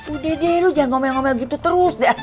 udah deh lu jangan ngomel ngomel gitu terus